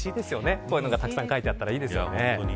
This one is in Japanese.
こういうのが、たくさん書いてあったらいいですよね。